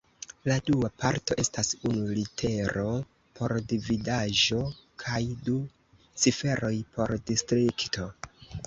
La dua parto estas unu litero por dividaĵo kaj du ciferoj por distrikto.